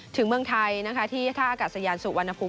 ถึงเมืองไทยที่ท่ากัดสะยานสู่วรรณภูมิ